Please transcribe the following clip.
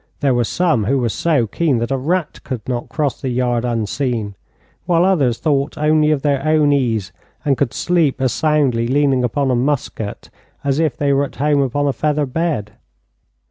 There were some who were so keen that a rat could not cross the yard unseen, while others thought only of their own ease, and could sleep as soundly leaning upon a musket as if they were at home upon a feather bed.